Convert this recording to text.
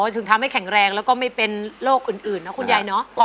ถึงทำให้แข็งแรงแล้วก็ไม่เป็นโรคอื่นนะคุณยายเนอะ